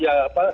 ya berapa tahun